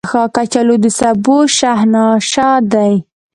کچالو د سبو شهنشاه دی